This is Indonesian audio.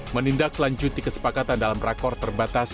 menindak lanjut di kesepakatan dalam rakor terbatas